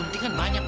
untingan banyak mak